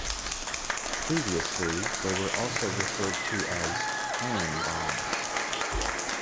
Previously, they were also referred to as 'iron bombs'.